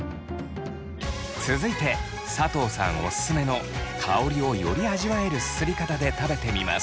続いて佐藤さんおすすめの香りをより味わえるすすり方で食べてみます。